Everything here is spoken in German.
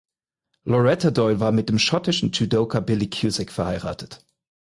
Loretta Doyle war mit dem schottischen Judoka Billy Cusack verheiratet.